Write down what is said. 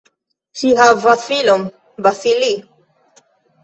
Ŝi havas filon "Vasilij".